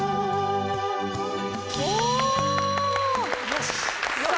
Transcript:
よし！